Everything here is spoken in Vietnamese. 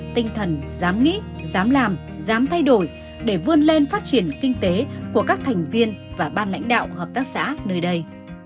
tinh thần dám nghĩ dám làm dám thay đổi để vươn lên phát triển kinh tế của các thành viên và ban lãnh đạo hợp tác xã nơi đây